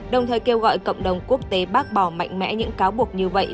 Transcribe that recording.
đồng thời kêu gọi cộng đồng quốc tế bác bỏ mạnh mẽ những cáo buộc như vậy